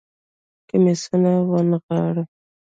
کميسونه ونغاړه